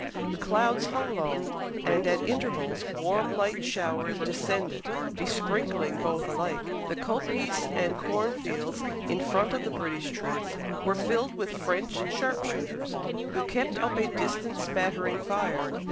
The clouds hung low, and at intervals warm light showers descended besprinkling both alike. The coppice and corn fields in front of the British troops were filled with French sharp shooters, who kept up a distant spattering fire.